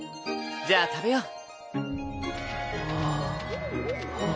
じゃあ食べよう。